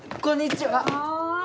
こんにちは。